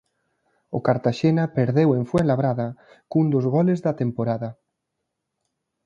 O Cartaxena perdeu en Fuenlabrada cun dos goles da temporada.